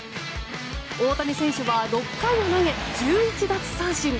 大谷選手は６回を投げ１１奪三振。